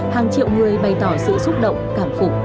hàng triệu người bày tỏ sự xúc động cảm phục